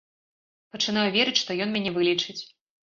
Пачынаю верыць, што ён мяне вылечыць.